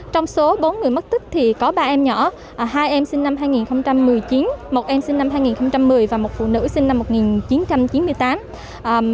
trong số bốn người mất tích thì có ba em nhỏ hai em sinh năm hai nghìn một mươi chín một em sinh năm hai nghìn một mươi và một phụ nữ sinh năm một nghìn chín trăm chín mươi tám